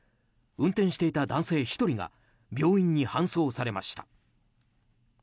運転していた男性１人が病院に搬送されました。